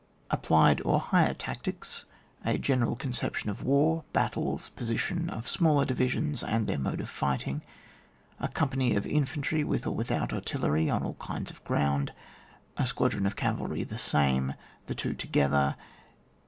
Applied or Higher Taetiee. A general conception of war — battles. Position of smaller divisions, and their mode of fighting. A company of infantry with or without artilleiy on all kinds of ground. A squadron of cavalry the same. The two together.